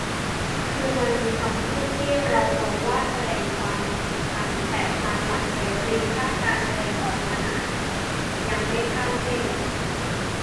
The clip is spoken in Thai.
คือมันมีคำพูดที่เรามองว่าแสดงความเกลียดชัง แต่ตามหลักเสรีภาพการแสดงออกมันอาจยังไม่ข้ามเส้น